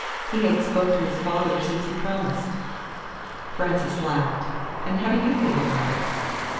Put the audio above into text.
He ain't spoke to his father since he promised." Frances laughed. "And how do you feel about it?"